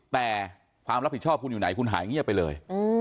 แต่ความรับผิดชอบคุณอยู่ไหนคุณหายเงียบไปเลย